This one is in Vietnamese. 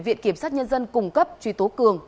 viện kiểm sát nhân dân cung cấp truy tố cường